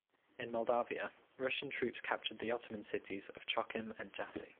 In Moldavia, Russian troops captured the Ottoman cities of Chocim and Jassy.